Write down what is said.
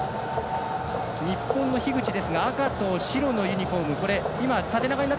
日本の樋口赤と白のユニフォーム。